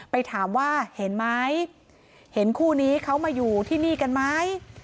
ไปถามว่าเห็นไหมเห็นคู่นี้เขามาอยู่ที่นี่กันไหม